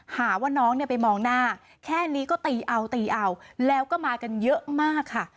หาว่าน้องเนี่ยไปมองหน้าแค่นี้ก็ตีเอาตีเอาแล้วก็มากันเยอะมากค่ะ